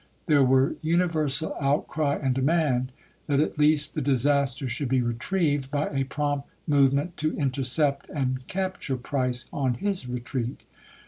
There were universal outcry and demand that at least the disaster should be re trieved by a prompt movement to intercept and capture Price on his retreat.